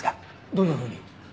どんなふうに？